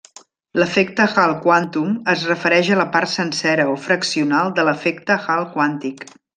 L'efecte Hall quàntum es refereix a la part sencera o fraccional de l'efecte Hall quàntic.